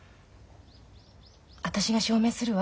私が証明するわ。